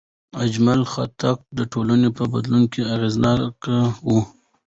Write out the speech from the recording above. اجمل خټک د ټولنې په بدلون کې اغېزناک و.